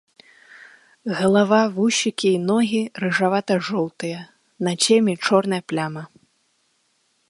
Галава, вусікі і ногі рыжавата-жоўтыя, на цемі чорная пляма.